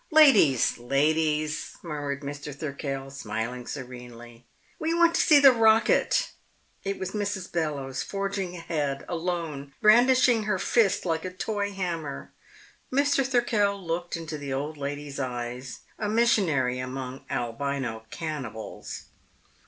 "Ladies, ladies," murmured Mr. Thirkell, smiling serenely. "We want to see the rocket!" It was Mrs. Bellowes forging ahead, alone, brandishing her fist like a toy hammer. Mr. Thirkell looked into the old ladies' eyes, a missionary among albino cannibals.